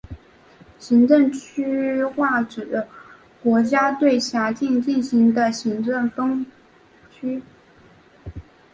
行政区划指国家对辖境进行的行政分区。